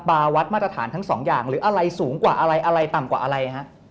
วัดมาตรฐานทั้งสองอย่างหรืออะไรสูงกว่าอะไรอะไรต่ำกว่าอะไรฮะ